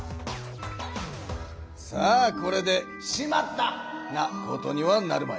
さあこれで「しまった！」なことにはなるまい。